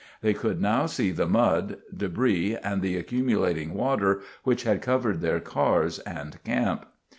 They could now see the mud, debris and the accumulating water which had covered their cars and camp.